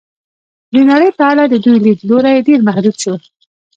د نړۍ په اړه د دوی لید لوری ډېر محدود شو.